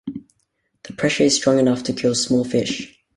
The pressure is strong enough to kill small fish.